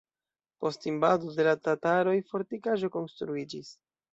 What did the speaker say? Post invado de la tataroj fortikaĵo konstruiĝis.